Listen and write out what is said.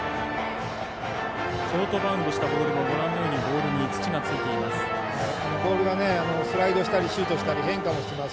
ショートバウンドしたボールにも土がついています。